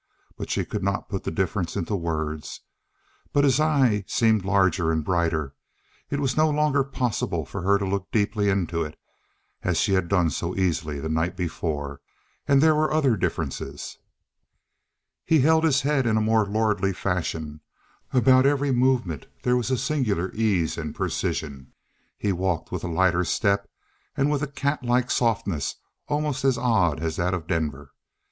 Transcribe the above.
She could not put the difference into words. But his eye seemed larger and brighter it was no longer possible for her to look deeply into it, as she had done so easily the night before. And there were other differences. He held his head in a more lordly fashion. About every movement there was a singular ease and precision. He walked with a lighter step and with a catlike softness almost as odd as that of Denver.